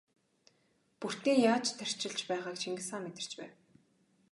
Бөртийн яаж тарчилж байгааг Чингис хаан мэдэрч байв.